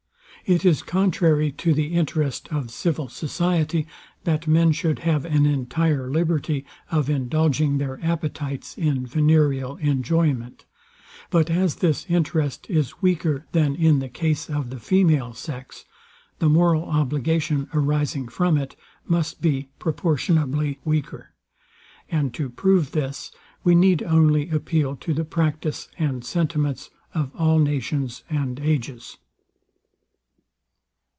It is contrary to the interest of civil society, that men should have an entire liberty of indulging their appetites in venereal enjoyment: But as this interest is weaker than in the case of the female sex, the moral obligation, arising from it, must be proportionably weaker. And to prove this we need only appeal to the practice and sentiments of all nations and ages.